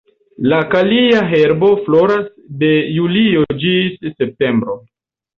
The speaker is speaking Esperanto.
La kalia herbo floras de julio ĝis septembro.